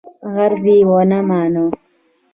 عرض یې ونه مانه.